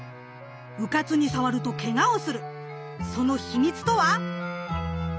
うかつに触るとけがをするその秘密とは？